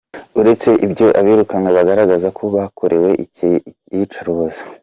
Uretse ibyo, abirukanwa bagaragaza ko bakorewe iyicarubozo.